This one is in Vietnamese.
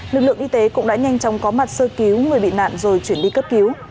lực lượng y tế cũng đã nhanh chóng có mặt sơ cứu người bị nạn rồi chuyển đi cấp cứu